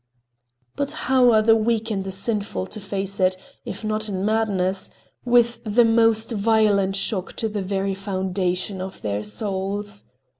But how are the weak and the sinful to face it if not in madness, with the most violent shock to the very foundation of their souls?